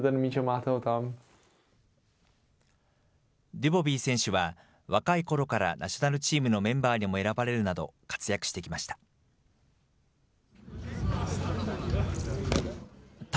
ドゥボビー選手は、若いころからナショナルチームのメンバーにも選ばれるなど活躍してきました。